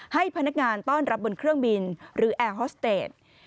ให้พนักงานต้อนรับบนเครื่องบินหรือแอร์ฮอสเตจ